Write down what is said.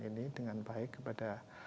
ini dengan baik kepada